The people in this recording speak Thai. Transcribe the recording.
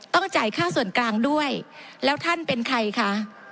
จ่ายค่าส่วนกลางด้วยแล้วท่านเป็นใครคะ